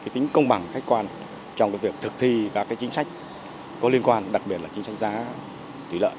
tính công bằng khách quan trong việc thực thi các chính sách có liên quan đặc biệt là chính sách giá tỷ lệ